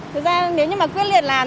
thực ra nếu như mà quyết liệt làm